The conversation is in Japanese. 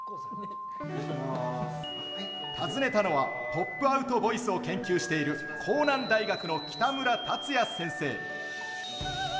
訪ねたのはポップアウトボイスを研究している甲南大学の北村達也先生。